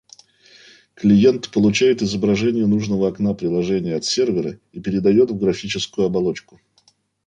Клиент получает изображение нужного окна приложения от сервера и передает в графическую оболочку